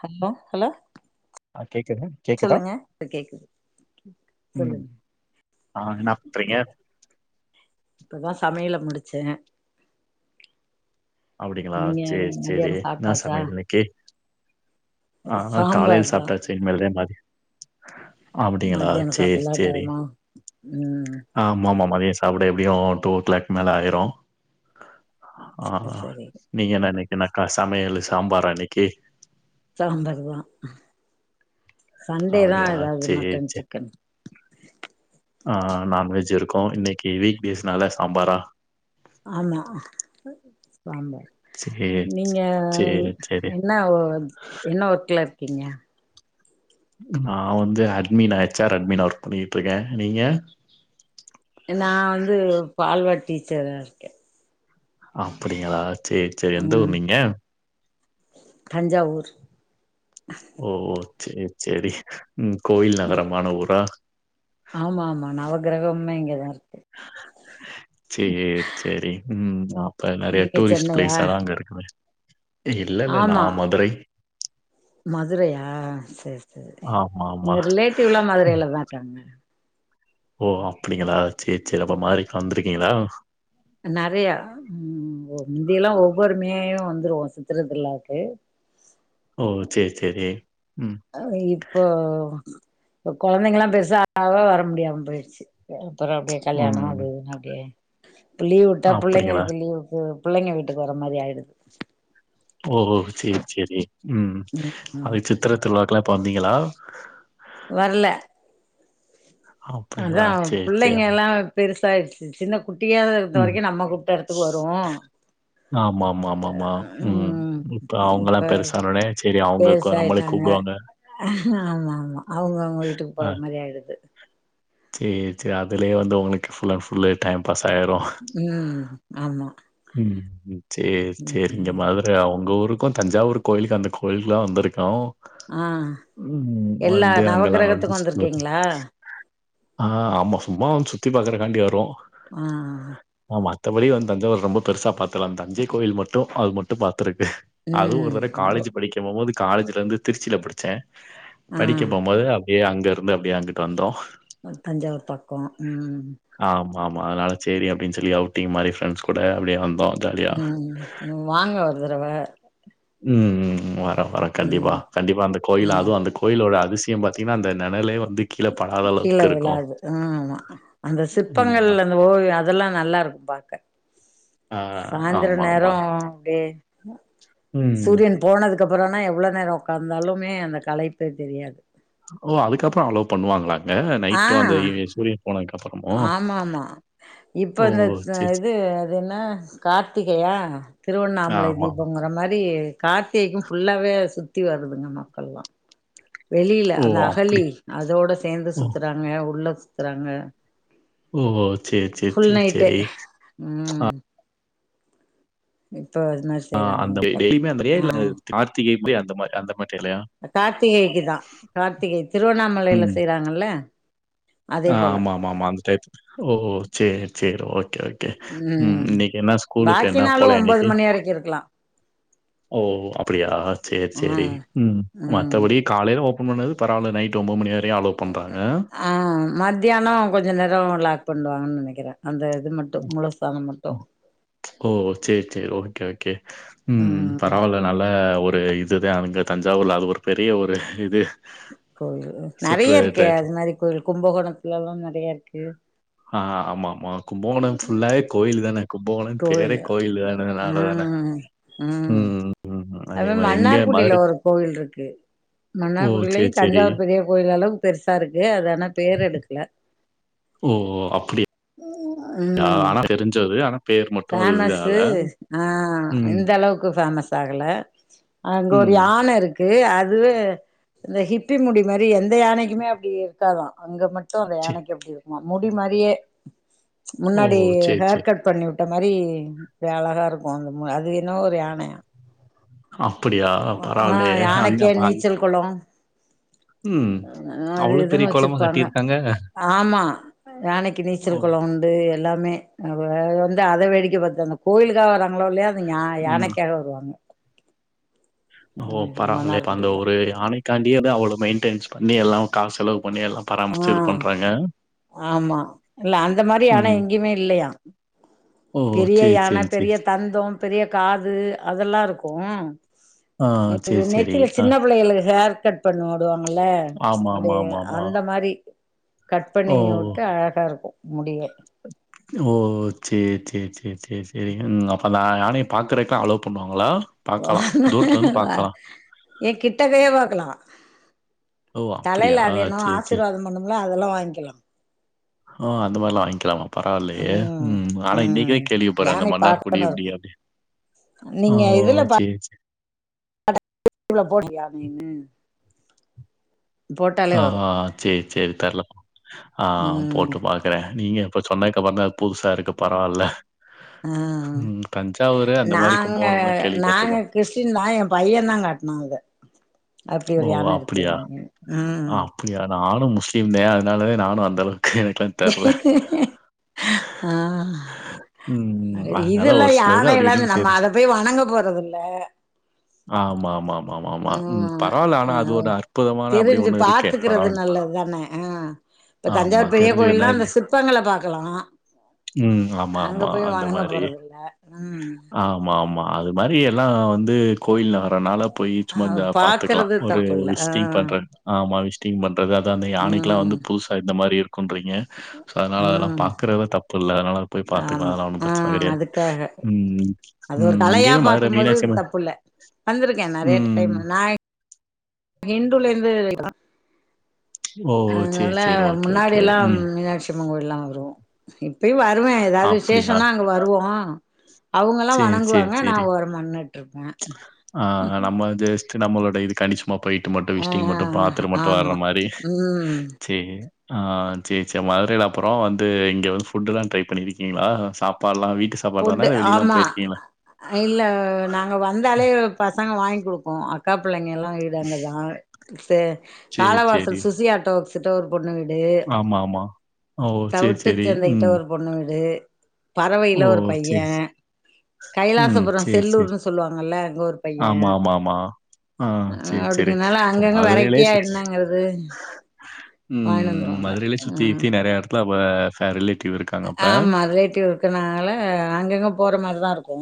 Hello hello hi சொல்லுங்க இப்ப கேக்குது சொல்லுங்க ஆஹ் என்ன பண்றீங்க இப்பதா சமையல முடிச்சே அப்டிங்களா நீங்க சேரி சேரி மதியானோ என்ன சாப்ட்டாச்சா சமையல் இன்னைக்கி ஆஹ் சாம்பார் காலையில் தா சாப்டாச்சி இனமேல்தா மாத்தியோ அப்டிங்களா மத்தியானோ சேர் சாப்டலா சேரி டைமா ம் ஆஹ் ஆமாமா மத்தியம் சாப்பிடவே எப்படியு டூ ஓ கிளாக் மேல ஆயிரோ ஆஹ் சரி நீங்க என் இன்னைக் என்னக்கா சமையல் சாம்பாரா இன்னைக்கி சாம்பாருதா சண்டேதா அப்டியா ஏதாவது சேரி மட்டன் சிக்கன் ஆஹ நான்வெஜ் இருக்கோ இன்னைக்கு வீக் டேஸ்னால சாம்பாரா ஆமா சாம்பார் சேரி நீங்க சேரி சேரி என்ன என்ன ஒர்க்ல கிங்க நா வந்து அட்மினா எச் ஆர் அட்மினா ஒர்க் பண்ணிட்டு இருக்கே நீங்க நா வந்து பால்வாடி டீச்சரா இருக்கே அப்டிங்களா சேர் சேர் எந்த ஊரு ம் நீங்க தஞ்சாவூர் ஓஓ சேர் சேரி உம் கோயில் நகரமான ஊரா ஆமா ஆமா நவ கிரகம்மே இங்கேதா இருக் சேர் சேரி உம் அப்ப நெறைய நீங்க டூரிஸ்ட் பிளேஸ் சென்னையா எல்லா அங்க இருக்குமே இல்ல இல்ல நா ஆமா மதுரை மதுரையா சேரி சேரி ஆமாமா. எங்க ரிலேட்டிவ் எல்லா ம். மதுரையில தா இருக்காங்க ஓ அப்டிங்களா சேர் சேரி அப்போ மாதுரைக்குளா வந்திருக்கீங்களா நெறையா உம் முந்தியெல்லா ஒவ்வொரு மேயு வந்துருவே சித்திர திருவிழாக்கு ஓ செரி செரி ஆனா இப்போ இப்ப கொழந்தைங்கெல்லா பெருசாவ்னனாலே வர முடியாம போயிருச்சு அப்பற அப்டியே கல்யாண அது ம். இதுன்னு அப்டியே இப்ப லீவ் விட்டா அப்படிங்களா? பிள்ளைங்களுக்கு லீவுக்கு போகனு பிள்ளைங்க வீட்டுக்கு வர மாரி ஆயிடுது ஓஹோ செரி செரி உம் ம் ம் அது சித்ரத்திருவ்ழா பாப்பாங்க இல்லையா வர்ல அப்படிங்களா? அதா சரி, சரி. பிள்ளைங்க எல்லா பெருசு சாய்ர்ச்சுங் சின்ன குட்டியாவே இருந்த ம். வரைக்கு நம்ம கூப்ட்ட எடத்துக்கு வரு ஆமாமாமாமா. ம். உம் இப்ப அவங்கலாம் பெருசானோனே, சரி பெருசா அவங்களுக்கு நம்மள ஆயிட்டானுங்க கூப்பிடுவாங்க. ஆமா ஆமா ஆமா அவ்ங்க அவ்ங்க வீட்டுக்கு அ. போற மாரி ஆயிடுது சேரி சேரி அதுலயே வந்து உங்களுக்கு ஃபுல் அன் ஃபுல்லே டைம் பாஸ் ஆயிரும். உம் ஆமா உம் உம் சேர் சேரி இந்த ம் மதுர அவ்ங்க ஊர் க்கு தஞ்சாவூர் கோயிலுக்கு அந்த கோயிலுக்குலா வந்திருக்கோ ஆஹ் எல்லா நவ அங்கலாம் கிரகத்துக்கு வந்திருக்கீங்ளா ஆஹ் ஆமா சும்மா வந்து சுத்தி பாக்குறக்காண்டி வருவோ உம் மத்தபடி வந்து தஞ்சாவூர் ரொம்ப பெருசா பாத்தலாம் தஞ்சை கோயில் மட்டு அது மட்டு பாத் திருக்கே அதுவு ஒரு ம் தடவ காலேஜ் படிக்க போம்போது காலேஜ்லருந்து திருச்சில படிச்சே ஆ படிக்க போம்போது அப்டியே அங் இருந்து அப்டியே அங்குட்டு வந்தோ அஹ் தஞ்சாவூர் தக்கமா உம் ஆம் ஆமா அதனால சேரி அப்டின் சொல்லி அவுட்டிங் மாரி ஃப்ரெண்ட்ஸ் கூட அப்டியே வந் உம் வாங்க ஒரு தறவ உம் உம் வர்றே வரே கண்டிப்பா ம் கண்டிப்பா அந்த கோயில் ம் அது அந்த கோயிலோட அத் விசிய பாத்தீனா அந்த நெனலே கீழ விழாது உம்அந்த ம். சிற்பங்கள் அந்த ஓவிய அதெல்லா நல்லா இருக்கு பாக்க ஆ சாய்ந்தர நேர ஆமாமா. அப்டே ம். சூரியன் போனது அதுக்கப்புறம்னா எவ்ளோ நேரம் உட்காந்தாலுமே அந்த கலைப்பே தெரியாது ஓ அதுக்கப்பறம் அலோ பண்ணுவாங்களா ங்க நைட்டும் அந்த இ சூரியன் போனதுக் ஆமா ஆமா இப்ப ஓ! இந்த சரி, சரி. இது அது என்ன கார்த்திகையா திருவண்ணாமலை ஆமா. தீபங்கற மாரி கார்த்திகைக்கு பஃபுல்லாவே சுத்தி வருதுங்க மக்கள்ல்லாம் வெளில ஓ! அந்த அப்படி. அகலி அதோட சேந்து சுத்துறாங்க உள்ள சுத்றாங்க ஓஹோ சேரி சேரி சேரி நைட்டே சேரி ஆ ம் அது மாரி ஆ செய்றாங்க அந்த மக்கள் டெய்லியுமே அந்த மாரியா இல்ல கார்த்திகை அப்டி அந்த மாரிஅந்த மாரி மாரியா? கார்த்திகைக்குதா கார்த்திகை திருவண்ணாமலைல ம். செய்றாங்கல்ல அதே ஆ போல ஆமா ஆமா ஆமா அந்த டைப் ஓகோ சேரி சேரி ஓகே ஓகே ம் இன்னைக்கு என்ன ஸ்கூலுக்கு என்ன பாக்கினாலும் போல ஒன்பது இன்னைக்கு? மணி வரைக்கு இருக்கலாம் ஓ அப்டியா சேரி ஆ சேரி உம் ம் மத்தபடி காலைல ஓப் ஓபன் பண்ணது பரவால்ல நைட்டு ஒன்போது மணிய வரை அலோ பண்றாங்க ஆஹ் மத்தியானம் கொஞ்சம் நேரம் லாக் பண்ணுவாங்கன்னு நனைக்கிறே ஓ ஓ சேரி சேரி ஓகே ஓகே உம் ம் பரவாயில்ல நல்ல ஒரு இதுதா அங்க தஞ்ச சாவூர்ல அது ஒரு பெரிய ஒரு இது கோயில் சுற்று நறைய இருக்கே ட்ராக். அது மாரி கோயில் கும்பகோணத்துல எல்லா நறைய இருக்கு க்கு ஆஹ் ஆமா ஆமா கும்பகோணம் ஃபுல்லாவே கோயில் தான கும்போணம்னு பேரே கோயிலு கோயில்லான னால தானே ம் ம் ம்ம் அது மாரி மன்னார்குடில ஒரு கோவில் இருக்கு ஓ! சரி, மன்னார்குடியிலயு சரி. தஞ்சாவூர் பெரிய கோயில் அளவுக்கு பெருசா இருக்கு ஆனா பேர் எடுக்கல ஓ அப்டியா ம் ஆனா தெரிஞ்சது ஆனா பேர் மட்டும் அது இதால. ஃபேமஸ்ஸு ஆ ம், இந்த அளவுக்கு ஃபேமஸ் தாகுல அங்க ஒரு ம். யான இருக்கு கு அதுவு இந்த ஹிப்பி முடி மாரி எந்த யானைக்குமே அப்புடி இருக்காதா அங்க மட் ட்டு அந்த சே யானைக்கி அப்டி இருக் மா முடி மாரியே ஓ! முன்னாடி சரி, ஹேர் சரி. கட் பண்ணி வுட் ட்ட மாரி வே அழகா இருக்கும் அந்த ம அது என்னவோ ஒரு யானையா அப்புடியா ஆ பரவாயில்லையே அங்க யானைக்கே அப்ப அங் நீச்சல் கொளோ ம். அது அவ்வளோ பெரிய இதுன்னு குளமா வச்சிருப்பாங்க கட்டியிருக்காங்க. ஆமா யானைக்கி ஓ! நீச்சல் குளோ உண்டு எ எல்லாமே [unintelligible] வந்து அத வேடிக்க பாத்து அந்த கோயிலுக்காக வராங் ங்களோ இல்லையா இங்க யா ம். யானைக்காக வருவாங்க ஓ ம் பரவால்யே இப்ப அந்த மன்னார்குடியில ஒரு யாணைக்காண்டியே அவ்ளோ மெயின்டேய்ஸ் பண்ணி எல்லா காஸ் செலவு பண்ணி எல்லாம் அ பராமரிச்சு இது பண்றாங்க. ஆமா இல்ல அந்த மாரி ஆனா ம். எங்கேயுமே இல்லயா ஓ! பெரிய சரி, யானை சரி, சரி, பெரிய சரி. தந்தம் பெரிய காது அதல்லா இருக்கு ஆ இது சரி, சரி. நெத்தில ஆ. சின்ன புள்ளைகளுக்கு ஹேர் கட் பண்ணி உடுவாங்கல ஆமா, அப்டி ஆமா, ஆமா, ஆமா. அந்த மாரி கட் பண்ணி ஓ! விட்டு அழகா இருக்கு முடியே ஓ சேர் சேர் சேர் சேர் சேர் சேரி அப்ப நா யானைய பாக்குறக்கு அலோ பண்ணுவாங்களா பாக்கலாம். தூரத்துல இருந்து பாக்கலாம். ஏ கிட்டக்கயே பாக்கலா ஓ! அப்படியா? தலையில அது என்னவோ சேரி, சேரி. ஆசீர்வாத பண்ணுமுல்ல அதல்லா வாங்க்கில்லா ஓ அந்த மார்லா வாங்கிலாமா ம் ம் கேள்விப்படுறேன். அந்த யானை மன்னார்குடி பாகன்னு இப்படி இருக்கு அப்படி. ஓ! நீங்க இதுல [inaudible] சேரி, சேரி. போடு யானைன்னு ஆ வரு ஆ சேர் சேரி தெர்ல ஆ ம் போட்டு பாக்குற நீங்க இப்ப சொன்னக்கப்பற அது புதுசா இருக்கு பரவால்ல ஆ ம். தஞ்சாவூரு அந்த மாரி நாங்க கும்பகோணம்லாம் நாங்க கேள்விப்பட்டுருக்கோம். கிறிஸ்டின் தா என் பையன் தா காட்னா அத அப்டி ஓ! ஒரு யான அப்படியா? இருக்குதுன்னு ம் அப்படியா? நானும் முஸ்லீம்தே அதுனால தா நானும் அந்தளவு ஆ ம். ஆ அதனால இதெல்லா ஒரு சிலது யானை அப்படி இப்படின்னு எல்லாது நம்ம தெரிஞ்சு. அத போய் வணங்க போறதுல்ல ஆமா ஆமாம் ஆமா ஆமா ம் பரவால்ல. ஆனா ஆஹ் அது அஹு ஒரு அற்புதமான அப்படி தெரிஞ்சு ஒண்ணு இருக்கே. பாத்துக்கறது பரவால்ல. நல்லத் தான ஆஹ் இப்ப ஆமா. தஞ்சாவூர் பெரிய கோயில்னா தெரிஞ்சுக்கிட்டா அந்த சிற்பங்கள பாக்கலா ம். ஆமா, அங்க ஆமா. போய் அந்த வணங்க மாரி. போறதில்ல உம் ஆமா, ஆமா. அது மாரி எல்லா வந்து கோயில் னால போயி அ சும்மா இந்த பாத்துக்கலா பாக்குறது ஒரு தப்பு இல்ல விசிட்டிங் ஆ பண்றனு ஆமா விசிட்டிங் பண்றது அது அந்த யானைக்கெல்லா வந்து ம் புதுசா இந்த மாரி க்குன்றீங்க அதனால அதெல்லா ம் பாக்கறது தப் பில்ல அதனால போய் பாத்துக்கலா ஆமா அதல்லா ஒன்னு ஆ பிரச்சன கெடையாது அதுக்காக உம் அது ஒரு உம் கலையா இங்கயுமே மதுர பாக்கும்போது மீனாச்சி அம்மன் தப்புல்ல வந்திருக்கே உம் இண்டுலருந்து ஓ! [inaudible] சரி, அதனால சரி. ஓகே, முன்னாடி ஓகே. எல்லா ம். மீனாட்சி அம்மங்கோயில்லா வருவோ இப் பயு வருவே எதாது அப்படியா? விஷேசன்னா அங்க வருவோ அவங்கல்லா வணங்குவாங்க நா ஓரமா நின்னு ஆஹ் நம்ம அது க்கு நம்மளோட இது [unintelligible] ம்மா போயிட்டு மட்டு ஆ விஷ்டிங் மட்டு பாத்துட்டு மட்டு வர்ற ஆமா மாரி ம் சே ஆஹ் சேர் சேர் மதுரைல அப்பறோ வந்து இங்க வந்து ஃபுட் எல்லா ட்ரை பண்ணியிருக்கீங்களா சாப்பாட்ல்லா வீட் ஃபுட்டு ஆமா இல்ல நாங்க வந்தாலே இவருக் ப சங்க வாங்க்குடுக்கு அக்கா பிள்ளைங்க எல்லா வாங்கிட்டு வந்ததா சேர் சரி, சரி. காலவாசல் சுசியாட்டோ [unintelligible] ஒரு பொண்ணு வீ டு ஆமா, ஆமா. ஓ! சரி, தவுட்டு சரி. சந்தைகிட்ட ம். ஒரு பொண்ணு வீடு ஓ! பறவைல ஒரு பைய சரி, ச ம். கைலாசபுரம் சரி, சரி. செல்லூர்ன்னு சொல்லுவாங்கல்ல அங்க ஒரு பைய ஆமா, ஆமா, ஆமா. ஆ அ சரி, சரி. அப்டிங்கறனால இப்போ அங்கங்க வெரைட்டியா என்னங்கறது உம் மதுரைலே சுத்தி த்தி நெறையா எடத்துல [unintelligible] சா ரிலே அ ஆமா ரிலேட்டிவ்ருக்கற னால அங்கங்க போற மாரி தா இருக்கு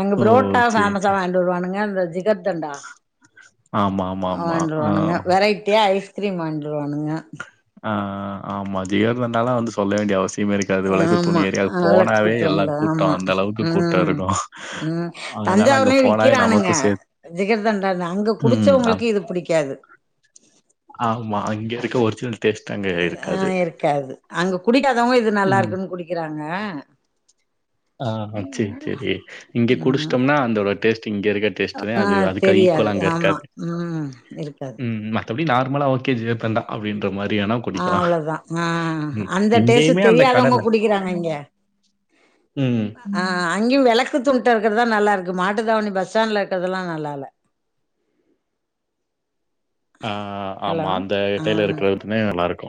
அங்க ஓ! ப்ரோட்டா சரி, ஃபேமஸா சரி. வாங்ட்டு வருவானுங்க ப்றோ ஜி கர்தண்டா ஆமா, ஆமா, ஆமா. ஆ, வாங்ட்டுருவானுங்க வெரைட்டியா ஐஸ் க்ரிம் வாங்ட்டு வருவானுங்க ஆ ஆமா ஜிகர்தண்டாலா வந்து சொல்ல வேண்டிய அவசிய ஆமா வெளக்குத்தூண்ல எல்லாம் தா ஆமா கூட்டம். அந்த அளவுக்கு கூட்டம் உம் இருக்கும். உம் அதனால அங்க தஞ்சாவூர்லயு போனாவே விக்கிறானுங்க நமக்கும் சேத் ஜிகர்தண்டாலா அங்க ம். ஆ குடிச்சவங்களுக்கு இது பிடிக் ஆமா அங்க இங்க ஒர்ஜினல் ஆஹ் இருக்காது அங்க குடிக்காதவங்க இது நல்லா ம். இருக்குனு குடிக்கிறாங் ங்க ஆஹ் செரி செரி இங்க ம் குடிச்சிட்டோம்னா அந்தோட டேஸ்ட் டு இங்க இருக்க டேஸ்ட்ல ஆ அது அதுக்கு அது தெரியாது ஈக்வலா அங்க ஆமா இருக்காது ம் இருக்காது ம் மத்தபடி நார் மலா ஓகே ஜிகர்தண்டா அப்டின்னு ஆஹ் அவ்ளோதா ஆஹ் ம். அந்த டேஸ்ட்ட இங்கேயுமே அந்த தெரியாதவங்க கடல. குடிக்கிறாங்க இங்க ம். ஆஹ் அங்கயு வெல க்குத்துன்ட்ட இருக்கறதுதா நல்லா இருக்கு மாட்டுதாவணி பஸ் ஸ்டாண்ட்ல இருக்கிறதெல்லா நல்லால ஆஹ் ஹலோ ஆமா அந்த கையில ஆ இருக்கறக்குனே நல்லா இருக்கு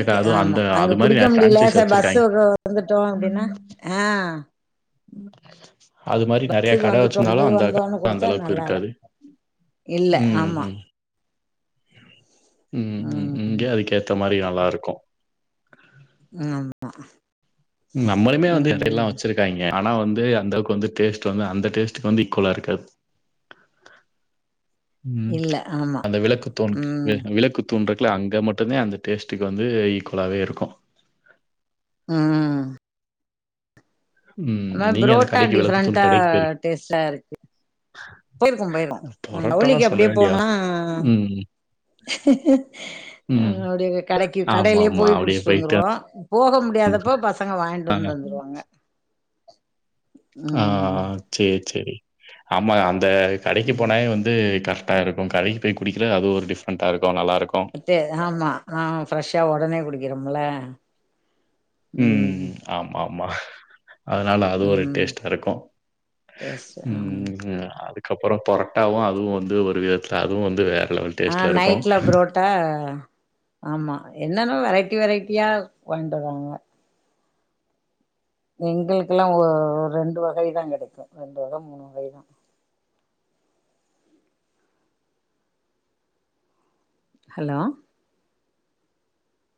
ஓகே ஆமா அந்த அங்க அது மாரி குடிக்க நெறைய முடியல ஃபிரான்சைஸ் சரி பஸ்ஸு வச்சிருக்காய்ங்க. வந்துட்டோ அப்டின்னா ஆஹ் அது மாரி நெறைய பஸ்ஸுக்கு கட வந்துட்டோ வச்சிந்தாலு வந்து அந்த வந்தோன்னு அந்த குடிச்சா அளவுக்கு நல்லா இல்ல இருக்காது இல்ல உம் ஆமா உம் உம் உம் ம் இங்கே அதுக்கேத்த மாரிதா நல்லாருக்கு ஆமா நம்மளுமே வந்து ம் இதெல்லா வச்சிருக்காய்ங்க ஆனா வந்து அந்த அளவுக்கு வந்து டேஸ்ட் வந்து அந்த டேஸ்டுக்கு வந்து ஈக்குவலா இருக்காது உம் இல்ல ஆமா அந்த விளக்கு தூன் வி ம் விளக்கு தூண்றுக்குல அங்க மட்டுதா அந்த டேஸ்ட்டுக்கு வந்து ஈக்குவலாவே இருக்கு உம் ம். ஆனா நீங்க அந்த புரோட்டா கடைக்கு விளக்குத்தூள் டிஃப்ரென்டா கடைக்கு போயிருக்கீங்க. டேஸ்ட்டா இருக்கு போயிருக்கம் போயிருக்கோ பரோட்டாலாம் [unintelligible] சொல்ல அப்டியே வேண்டிய அவ போனா ம், ம். அ கடைக்கு கடையிலயே ஆமாமா. போய் அப்படியே குடிச்சுட்டு போயிட்டு வந்துருவோ போக முடியாதப்போ பசங்க வாங்ட்டு வந்து தந்துருவாங்க ம் ஆஹ் சேரி செரி ஆமா அந்த கடைக்கு ம் போனாவே வந்து க டா இருக்கு கடைக்கு போய் குடிக்கிறது அது ஒரு டிஃப்ரண்டா இருக் இத்தே ஆமா ஆ ஃபிரெஷா உடனே குடுக்கற மொல உம் ஆமா ஆமா அதனால அது ஒரு ம் டேஸ்ட்டா இருக்கும் எஸ் ஆ ம்ம் அது அப்புறம் பொரட்டாவும் அதுவும் வந்து ஒரு விதத்துல அதுவும் வந்து வேற லெவல் ஆஹ் டேஸ்ட்ல இருக்கும். நைட்ல புரோட்டா ஆமா என்னன்னவே வெரைட்டி வெரைட்டியா கொண்டு வராங்க எங்களுக்கெல்லா ஒ ரெண்டு வகைதா கிடைக்கோ ரெண்டு வகை மூணு வகைதா ஹலோ